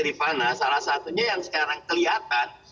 rifana salah satunya yang sekarang kelihatan